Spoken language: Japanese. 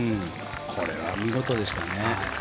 これは見事でしたね。